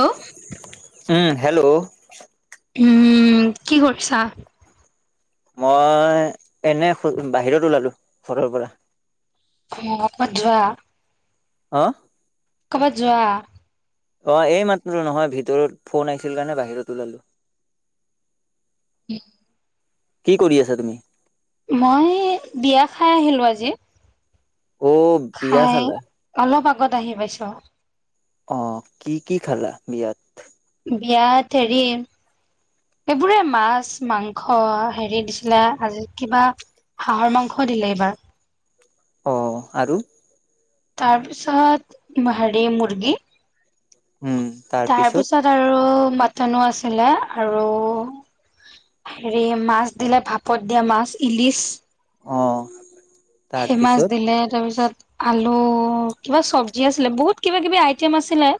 Hello [unintelligible] উম, hello. উম, কি কৰিছা। মই এনে বাহিৰত ওলালো ঘৰৰ পৰা। অ', ক'ৰবাত যোৱা। হা। ক'বাত যোৱা। অ', এই মাত্ৰ নহয় ভিতৰত ফোন আহিছিল কাৰণে বাহিৰত ওলালো। [unintelligible] কি কৰি আছা তুমি। মই এই বিয়া খাই আহিলোঁ আজি। অ', বিয়া খাই খালা। অলপ আগত আহি পাইছো। অ', কি- কি খালা বিয়াত। বিয়াত হেৰি এইবোৰে মাছ, মাংস হেৰি দিছিলে আজি কিবা হাঁহৰ মাংস দিলে এইবাৰ। অ', আৰু। তাৰপিছত হেৰি মুৰ্গী, তাৰপিছত আৰু মাটনো আছিলে আৰু হেৰি মাছ দিলে ভাপত দিয়া মাছ, ইলিচ। অ'। ফেমাছ তাৰপিছত দিলে তাৰপিছত আলু কিবা চবজি আছিলে, বহুত কিবা কিবি আইটেম আছিলে।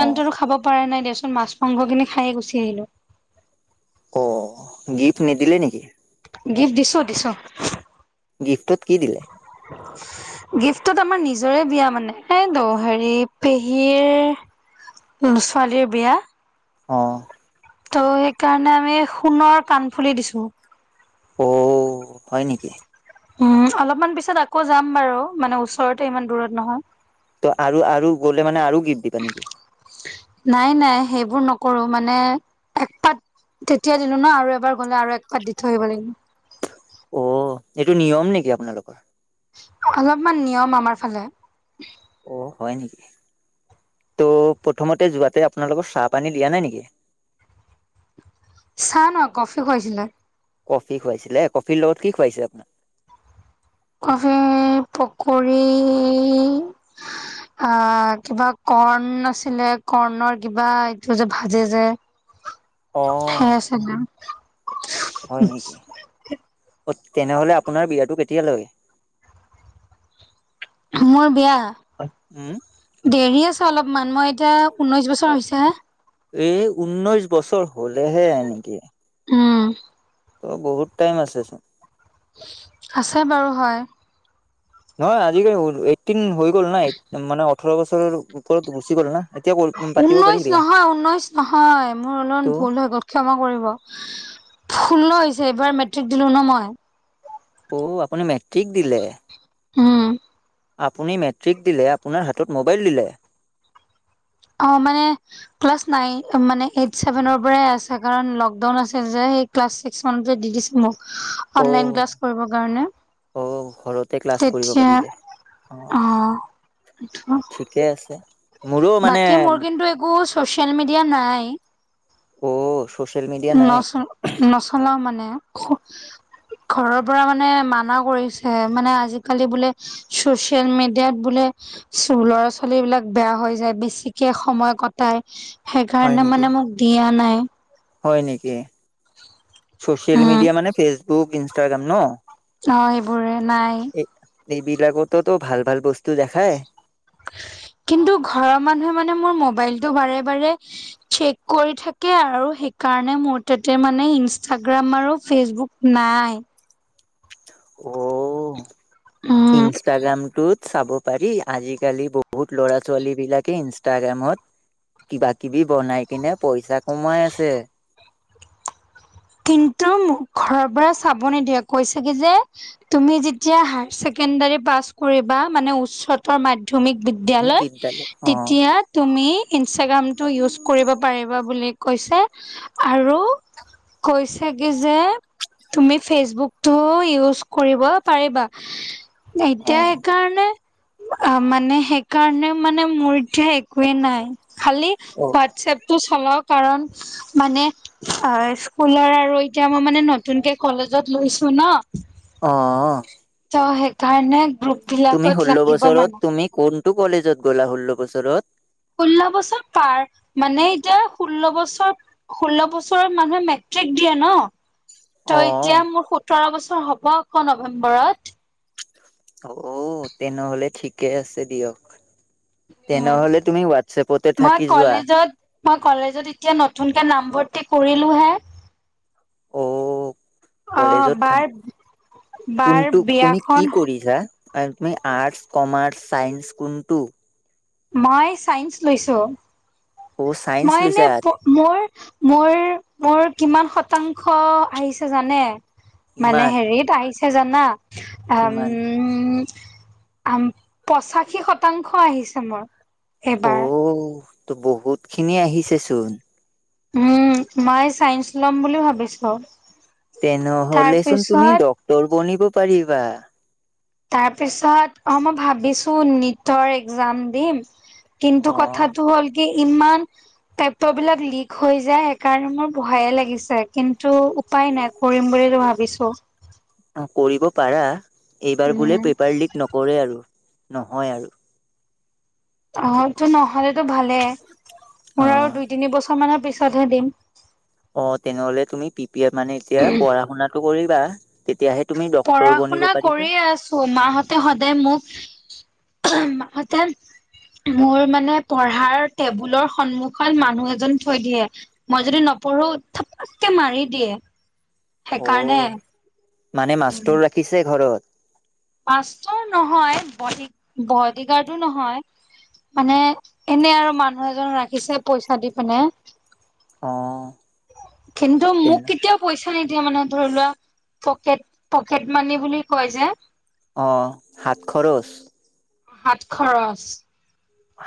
অ, খাব পৰা নাই দিয়াচোন, মাছ মাংসখিনি খাইয়ে গুচি আহিলো। অ', গিফ্ট নিদিলি নেকি। গিফ্ট দিছো- দিছো। গিফ্টটোত কি দিলে। [inaudible] গিফ্টটোত আমাৰ নিজৰে বিয়া মানে, এ দ হেৰি পেহীৰ ছোৱালীৰ বিয়া। অ'। ত' সেইকাৰণে আমি সোণৰ কাণফুলি দিছো। অ', হয় নিকি। উম, অলপমান পিছত আকৌ যাম বাৰু, মানে ওচৰতে ইমান দূৰত নহয়। ত' আৰু-আৰু গ'লে মানে আৰু গিফ্ট দিবা নেকি। নাই-নাই সেইবোৰ নকৰো মানে একপাত তেতিয়া দিলো ন আৰু এবাৰ গলে আৰু এক পাত দি থৈ আহিব লাগিব। অ', এইটো নিয়ম নেকি আপোনালোকৰ। অলপমান নিয়ম আমাৰ ফালে। অ', হয় নেকি, ত' প্ৰথমতে যোৱাতে আপোনালোকৰ চাহ পানী দিয়া নাই নেকি। চাহ নহয় কফি খুৱাইছিলে। কফি খুৱাইছিলে, কফিৰ লগত কি খুৱাইছিলে আপনাক। কফি, পকৰী আ কিবা কৰ্ণ আছিলে কৰ্ণৰ কিবা এইটো যে ভাজে যে। [inaudible] সেইয়াই চাগে। হয় নেকি, অ', তেনেহ'লে আপোনাৰ বিয়াটো কেতিয়ালৈ। মোৰ বিয়া। উম। দেৰি আছে অলপমান, মই এতিয়া ঊনৈছ বছৰ হৈছে হে। এই ঊনৈশ বছৰ হ'লেহে [unintelligible] নেকি। উম। অ', বহুত টাইম আছে চোন। আছে বাৰু হয়। নহয় আজিকালি এইটিন হৈ গ'ল না, মানে ওঠৰ বছৰৰ ওপৰত গুচি গ'ল না। এতিয়া পাতিব পাৰি ঊনৈশ বিয়া। নহয়- ঊনৈশ নহয়, মোৰ ত' অলপমান ভুল হৈ গ'ল। ক্ষমা কৰিব, ষোল্ল হৈছে এইবাৰ মেট্ৰিক দিলো ন মই। অ', আপুনি মেট্ৰিক দিলে। উম। আপুনি মেট্ৰিক দিলে, আপোনাৰ হাতত মোবাইল দিলে। অ', মানে ক্লাছ নাইন মানে এইট ছেভেনৰ পৰাই আছে, কাৰণ লকডাউন আছিল যে সেই ক্লাছ ছিক্স মানতে দি দিছে মোক, অনলাইন অ' ক্লাছ কৰিব কাৰণে। অ' ঘৰতে ক্লাছ কৰিব তেতিয়া পাৰি যে। অ' উম, এইটো ঠিকে আছে। মোৰো বাকী মানে মোৰ কিন্তু একো ছচিয়েল মিডিয়া নাই। অ, চ নচ নচলাও মানে। খো ঘৰৰ পৰা মানে মানা কৰিছে। মানে আজি-কালি বোলে ছচিয়েল মিডিয়াত বোলে ল'ৰা-ছোৱালী বিলাক বেয়া হৈ যায়। বেছিকে সময় কট তাই হয় সেইকাৰণে নেকি? মানে মোক দিয়া নাই। হয় নেকি? ছচিয়েল উম মিডিয়া মানে ফেচবুক, ইনষ্টাগ্ৰাম ন? অ সেইবোৰে নাই। এইবিলাকটোতো ভাল ভাল বস্তু দেখায়। কিন্তু ঘৰৰ মানুহে মানে মোৰ মোবাইলতটো বাৰে বাৰে চেক কৰি থাকে আৰু সেইকাৰণে মোৰ তাতে মানে ইনষ্টাগ্ৰাম আৰু ফেচবুক নাই। অ। উম ইনষ্টাগ্ৰামটোত চাব পাৰি। আজি-কালি বহুত ল'ৰা-ছোৱালীবিলাকে ইনষ্টাগ্ৰামত কিবা-কিবি বনাই কিনে পইচা কমাই আছে। কিন্তু মোক ঘৰৰ পৰা চাব নিদিয়ে। কৈছে কি যে তুমি যেতিয়া হায়াৰ ছেকেণ্ডাৰী পাছ কৰিবা মানে উচ্চতৰ মা মাধ্যমিক বিদ্যালয় তেতিয়া তুমি ইনষ্টাগ্ৰামটো ইউজ কৰিব পাৰিবা বুলি কৈছে আৰু কৈছে কি যে তুমি ফেচবুকটোও ইউজ কৰিব পাৰিবা। এতিয়া অ' সেইকাৰণে আ মানে সেইকাৰণে মানে মোৰ এতিয়া একোৱেই নাই। খালি অ। হোৱাটছএপটো চলাওঁ কাৰণ মানে আ পুলাৰ আৰু এতিয়া মই মানে নতুনকে কলেজত লৈছো ন। অ, অ। ত সেইকাৰণে গ্ৰুপ তুমি বিলাকত ষোল্ল লাগিব বছৰত মানে তুমি কোনটো কলেজত গ'লা? ষোল্ল বছৰত? ষোল্ল বছৰ পাৰ মানে এতিয়া ষোল্ল বছৰ ষোল্ল বছৰত মানুহে মেট্ৰিক দিয়ে ন। ত এতিয়া অ'। মোৰ সোতৰ বছৰ হ'ব আক' নভেম্বৰত। অও তেনেহ'লে ঠিকে আছে দিয়ক। উম তেনেহলে তুমি ৱাটছএপতে মই থাকি যোৱা। কলেজত মই কলেজত এতিয়া নতুনকে নামভৰ্তি কৰিলোহে। অ' অ কলেজত থা বাৰ বাৰ কোনটোক তুমি কি বিয়াখন কৰিছা? আৰু তুমি আৰ্টচ, কমাৰ্চ, চাইন্স কোনটো? মই চাইন্ঞ্চ লৈছো। অ' চাইন্স মই এনে লৈছা প মোৰ মোৰ মোৰ কিমান শতাংশ আহিছে জানে? মানে কিমান হেৰিত আহিছে জানা, আম কিমান উম আম পঁচাশী শতাংশ আহিছে মোৰ এইবাৰ। অও ত বহুতখিনি আহিছেচোন। উম মায় চাইন্স লম বুলি ভাবিছো। তেনেহ'লেচোন তুমি তাৰপিছত ডক্তৰ বনিব পাৰিবা। তাৰ পিছত অ মই ভাবিছো নিটৰ একজাম দিম। কিন্তু কথাটো অ' হ'ল কি ইমান পেপাবিলাক লিক হৈ যায়। সেইকাৰণে মোৰ ভয়ে লাগিছে, কিন্তু উপায় নাই কৰিম বুলিটো ভাবিছো। অ কৰিব পাৰা। এইবাৰ বোলে উম পেপাৰ লিক নকৰে আৰু নহয় আৰু। অ সেইটো নহ'লেতো ভালেই। মোৰ আৰু অ' দুই, তিনি বছৰ মানৰ পিছতহে দিম। অ তেনেহ'লে তুমি পি পি এফ মানে এতিয়া পঢ়া-শুনাটো কৰিবা, তেতিয়াহে তুমি ডক্তৰ পৰা বনিব শুনা পাৰিবা। কৰিয়ে আছো। মাহঁতে সদায় মোক মাকহঁতে মোৰ মানে পঢ়াৰ টেবুলৰ সন্মুখত মানুহ এজন থৈ দিয়ে। মই যদি নপঢ়ো থাপাককে মাৰি দিয়ে সেইকাৰণে অ' মানে মাষ্টৰ ৰাখিছে ঘৰত। মাষ্টৰ নহয়, বডী বডীগাৰ্ডো নহয়। মানে এনে আৰু মানুহ এজন ৰাখিছে পইচা দি পেনে। অ' কিন্তু তেন মোক কেতিয়াও পইচা নিদিয়া মানে ধৰি লোৱা পকেট পকেট মানি বুলি কয় যে। অ হাত খৰচ। হাত খৰচ।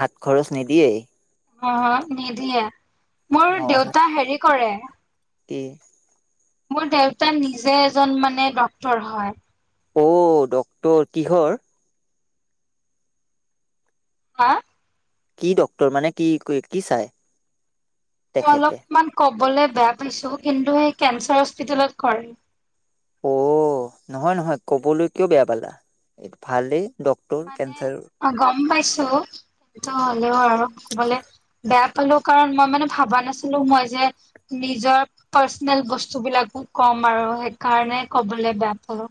হাত খৰছ নিদিয়ে? অ-হ নিদিয়ে। মোৰ অ' হাত দেউতা হেৰি কৰে। কি? মোৰ দেউতা নিজে এজন মানে ডক্তৰ হয়। অ, ডক্তৰ কিহৰ? হা? কি ডক্তৰ মানে কি কি চায়? মই অলপমান ক'বলে বেয়া পাইছো, কিন্তু হেই কেঞ্চাৰ হস্পিতেলত কৰে। অ, নহয় নহয় ক'বলৈ কিয় বেয়া পালা? এ ভালেহে। মানে অ গম পাইছো, কিন্তু হ'লেও আৰু ক'বলে বেয়া পালো কাৰণ মই মানে ভাবা নাছিলো মই যে নিজৰ পাৰ্চনেল বস্তুবিলাকো কম আৰু সেইকাৰণে ক'বলে বেয়া পালো।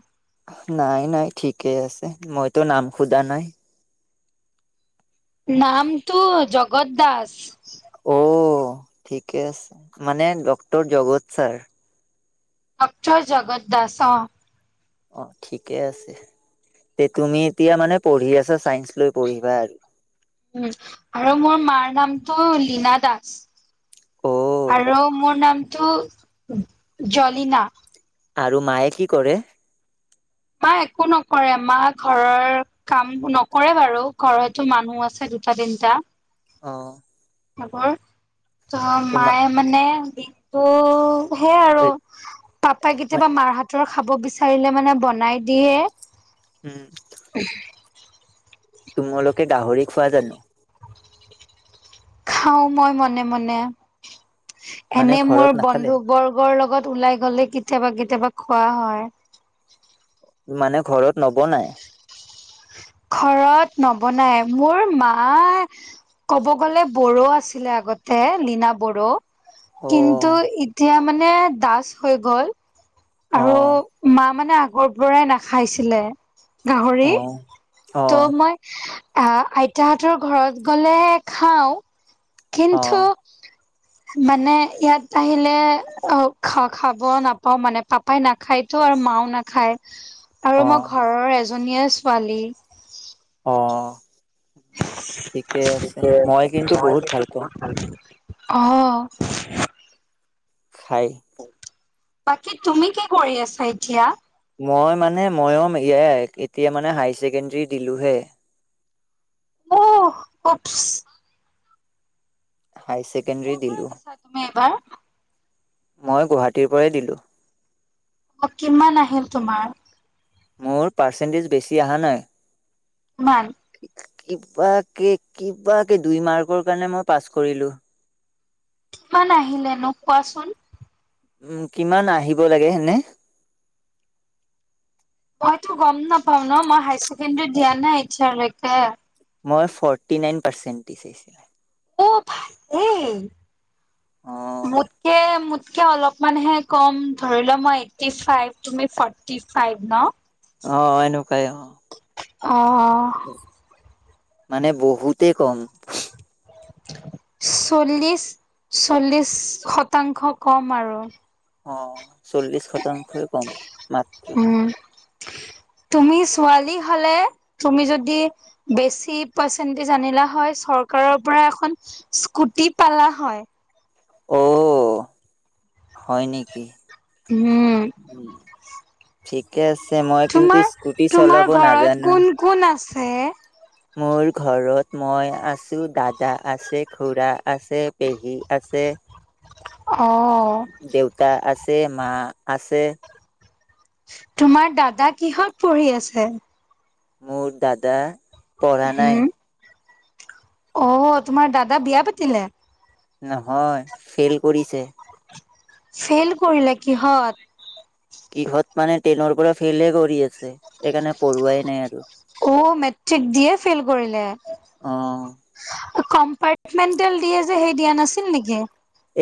নাই, নাই। ঠিকেই আছে। মইতো নাম সোদা নাই। নামটো জগত দাস। অ ঠিকে আছে মানে ডক্টৰ জগত ছাৰ। অকচয় জগত দাস অ। অ ঠিকে আছে। তে তুমি এতিয়া মানে পঢ়ি আছা চাইন্স লৈ পঢ়িবা আৰু। উম আৰু মোৰ মাৰ নামটো লীনা দাস। অ' আৰু মোৰ নামটো জলিনা। আৰু মায়ে কি কৰে? মা একো নকৰে। মা ঘৰৰ কাম নকৰে বাৰু। ঘৰটো মানুহ আছে দুটা, তিনটা। অ। ভাগৰ ত তোমাক মায়ে মানে বিষটো সে আৰু পাপাই কেতিয়াবা মাৰ হাতৰ খাব বিচাৰিলে মানে বনাই দিয়ে। উম। [unintelligible] তোমালোকে গাহৰি খোৱা জানো? খাওঁ মই মনে মনে। মানে এনে মোৰ ঘৰত নাখালে? বন্ধু বৰ্গৰ লগত ওলাই গ'লে কেতিয়াবা কেতিয়াবা খোৱা হয়। মানে ঘৰত নবনায়? ঘৰত নবনায়। মোৰ মা ক'ব গ'লে বড়ো আছিলে আগতে, লীনা বড়ো। কিন্তু অ' এতিয়া মানে দাস হৈ গ'ল। অ। আৰু মা মানে আগৰ পৰাই নাখাইছিলে। গাহৰি। অ' ত' অ' মই আ আইতাহঁতৰ ঘৰত গলে খাওঁ। কিন্তু [inaudible] মানে ইয়াত আহিলে অ খা খাব নাপাওঁ মানে পা পাপাই নাখায়তো আৰু মাও নাখায়। [inaudible] আৰু মই ঘৰৰ এজনীয়ে ছোৱালী। অ। ঠিকে মই আছে। কিন্তু বহুত ভাল পাওঁ [unintelligible] অ। খাই বাকী তুমি কি কৰি আছা এতিয়া? মই মানে মইও এয়াই এতিয়া মানে হাই ছেকেণ্ডাৰী দিলোহে। অ ওপছ'। হাই ক'ৰ ছেকেনড্ৰি পৰা দিলো। দিছা তুমি এবাৰ মই গুহাটীৰ পৰাই দিলো। অ কিমান আহিল তোমাৰ? মোৰ পাৰ্চেণ্টেজ বেছি আহা নাই। কিমান? কিবাকে কিবাকে দুই মাৰ্কৰ কাৰণে মই পাছ কৰিলো। কিমান আহিলেনো কোৱাচোন। উম কিমান আহিব লাগে হেনে? মইতো গম নাপাওঁ ন। মই হাই ছেকেন্দ্ৰি দিয়া নাই এতিয়ালৈকে। মই ফৰ্টি নাইন পাৰ্চেণ্টেজ আইছিলে। অ ভালেই। অ', মোতকে মোতকে অলপ মানহে কম। ধৰি লোৱা মই এইটটি ফাইভ, তুমি ফৰ্টি ফাইভ ন? অ এনেকুৱাই অ। অ, অ। মানে বহুতে কম। চল্লিছ চল্লিছ শতাংশ কম আৰু। অ চল্লিছ শতাংশই কম মাত্ৰ। উম তুমি ছোৱালী হ'লে তুমি যদি বেছি পাৰ্চেন্টেজ আনিলা হয় চৰকাৰৰ পৰা এখন স্কুটি পালা হয়। অ, হয় নেকি? উমহম। উম, ঠিকে আছে মই কিন্তু তোমাৰ স্কুটি তোমাৰ চলাব ঘৰত নাজানো। কোন কোন আছে। মোৰ ঘৰত মই আছো, দাদা আছে, খুৰা আছে, পেহী আছে। [inaudible] অ'। দেউতা আছে, মা আছে। তোমাৰ দাদা কিহত পঢ়ি আছে। মোৰ দাদা পঢ়া নাই। উম অ', তোমাৰ দাদা বিয়া পাতিলে। নহয় ফেইল কৰিছে। ফেইল কৰিলে কিহত। কিহত মানে টেনৰ পৰা ফেইলে কৰি আছে, সেইকাৰণে পঢ়োৱাই নাই আৰু। অ', মেট্ৰিক দিয়ে ফেইল কৰিলে। অ কম্পাৰটমেন্টেল দিয়ে যে সেই দিয়া নাছিল নেকি।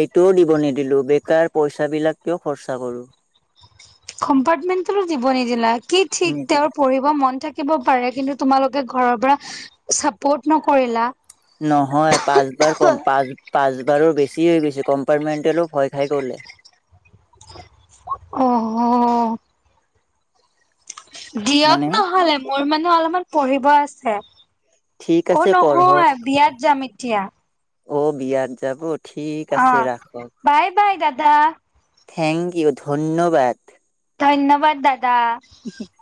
এইটোও দিব নিদিলো, বেকাৰ পইচাবিলাক কিয় খৰচা কৰো। কম্পাৰটমেণ্টেলো দিব নিদিলা, কি ঠিক নিদিল তেওঁৰ পৰি ব মন থাকিব পাৰে, কিন্তু তোমালোকে ঘৰৰ পৰা চাপৰ্ট নকৰিলা। নহয় পাঁচবাৰ কম পাঁচ পাঁচবাৰো বেছি হৈ গৈছে, কম্পাৰ্টমেন্টেলো ভয় খাই গ'ল। অ'। দিয়ক মানে নহ'লে মোৰ মানে অলপমান পঢ়িব আছে। ঠিক অ', আছে পঢ়ক নহয় বিয়াত যাম এতিয়া। অ', বিয়াত যাবত অ', বাই-বাই দাদা। থেংক ইউ ধন্যবাদ। ধন্যবাদ দাদা। [unintelligible]